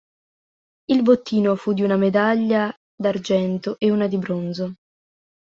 Il bottino fu di una medaglia d'argento e una di bronzo.